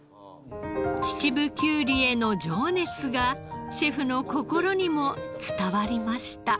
秩父きゅうりへの情熱がシェフの心にも伝わりました。